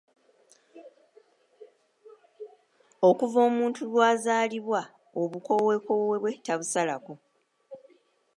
"Okuva omuntu lw’azaalibwa, obukoowekoowe bwe tabusalako."